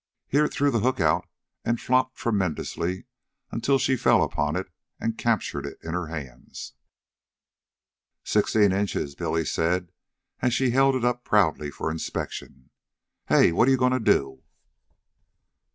Here it threw the hook out and flopped tremendously until she fell upon it and captured it in her hands. "Sixteen inches," Billy said, as she held it up proudly for inspection. " Hey! what are you goin' to do?"